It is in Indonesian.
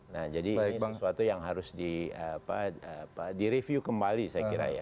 nah jadi ini sesuatu yang harus direview kembali saya kira ya